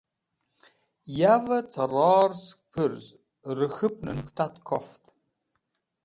Yavẽ cẽ ror sẽk pũrz rẽk̃hũpnẽn k̃hũ tat koft.